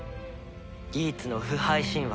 ギーツの不敗神話